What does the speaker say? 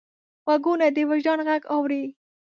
غوږونه د وجدان غږ اوري